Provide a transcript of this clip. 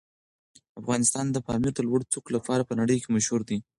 افغانستان د پامیر د لوړو څوکو لپاره په نړۍ مشهور دی.